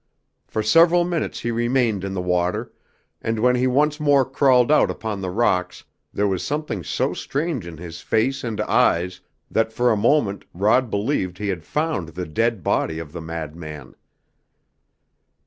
For several minutes he remained in the water, and when he once more crawled out upon the rocks there was something so strange in his face and eyes that for a moment Rod believed he had found the dead body of the madman.